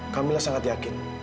kamilah sangat yakin